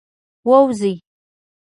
ووځی.